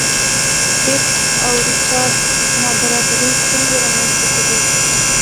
کیټ او ریچارډ نابرابري ستونزې رامنځته کوي.